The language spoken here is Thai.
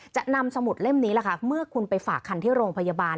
จะนำสมุดเล่มนี้ล่ะค่ะเมื่อคุณไปฝากคันที่โรงพยาบาล